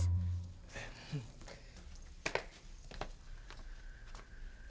ibu dia kan penyanyi dangdut